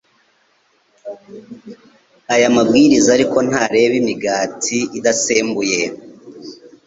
Aya mabwiriza ariko ntareba imigati idasembuwe.